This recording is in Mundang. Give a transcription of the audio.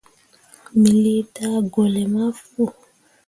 Me lii daagolle ma fu.